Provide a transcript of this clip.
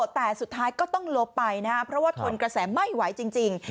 แต่สุดท้ายก็ต้องลบไปนะครับเพราะว่าทนกระแสไม่ไหวจริง